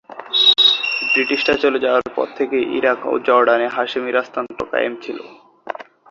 ব্রিটিশরা চলে যাওয়ার পর থেকে ইরাক ও জর্ডানে হাশেমি রাজতন্ত্র কায়েম ছিল।